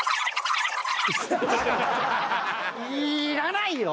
いらないよ！